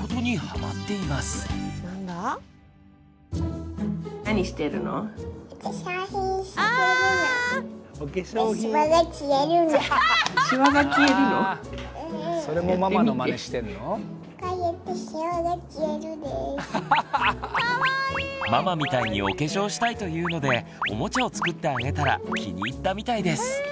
ママみたいにお化粧したいと言うのでおもちゃを作ってあげたら気に入ったみたいです。